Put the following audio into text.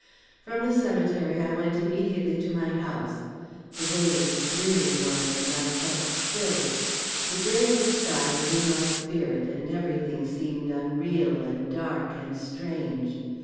From the cemetery I went immediately to my house. The day was a dreary one, and I felt, chilled. The gray of the sky was in my spirit, and every thing seemed unreal and dark and strange.